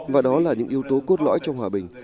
và đó là những yếu tố cốt lõi trong hòa bình